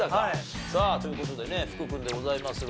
さあという事でね福君でございますが。